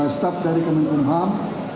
staff dari kementerian ham